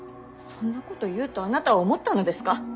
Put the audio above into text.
そんなこと言うとあなたは思ったのですか。